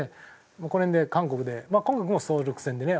この辺で韓国で韓国も総力戦でね